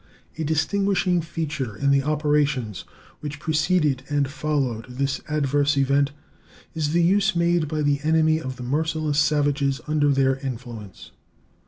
A distinguishing feature in the operations which preceded and followed this adverse event is the use made by the enemy of the merciless savages under their influence.